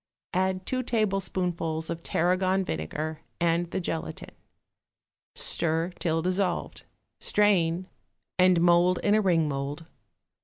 Add two tablespoonfuls of tarragon vinegar and the gelatine, stir till dissolved, strain, and mould in a ring mould.